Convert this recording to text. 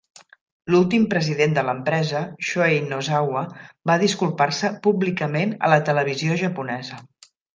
L'últim president de l'empresa, Shohei Nozawa, va disculpar-se públicament a la televisió japonesa.